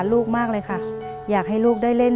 เปลี่ยนเพลงเพลงเก่งของคุณและข้ามผิดได้๑คำ